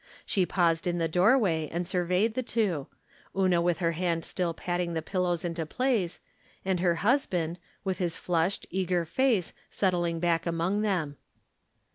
She paused in the doorway and surveyed the two : Una with her hand stUl patting the pillows into place, and her husband, with his flushed, eager face settling back among them.